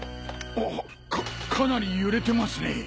かかなり揺れてますね。